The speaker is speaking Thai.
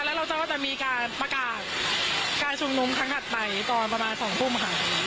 แล้วเราก็จะมีการประกาศการชุมนุมครั้งถัดไปตอนประมาณ๒ทุ่มค่ะ